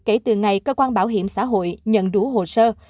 kể từ ngày cơ quan bảo hiểm xã hội nhận đủ hồ sơ